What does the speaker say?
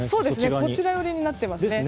こちら寄りになっていますね。